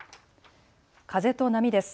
風と波です。